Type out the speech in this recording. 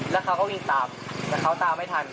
แล้วเขาก็วิ่งตามแต่เขาตามไม่ทัน